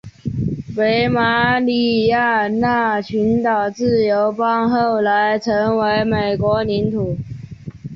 北马里亚纳群岛自由邦后来成为美国领土。